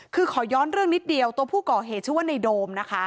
คือขอย้อนเรื่องนิดเดียวตัวผู้ก่อเหตุชื่อว่าในโดมนะคะ